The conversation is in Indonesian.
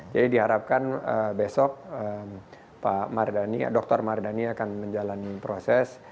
jadi diharapkan besok pak mardhani doktor mardhani akan menjalani proses